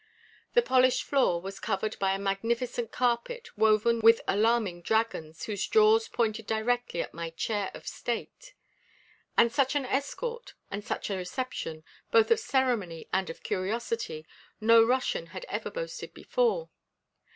The polished floor was covered by a magnificent carpet woven with alarming dragons whose jaws pointed directly at my chair of state. And such an escort and such a reception, both of ceremony and of curiosity, no Russian had ever boasted before.